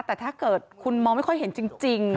แต่ถ้าเกิดคุณมองไม่ค่อยเห็นจริง